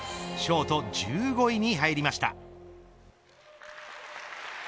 ショート１５位に入りました。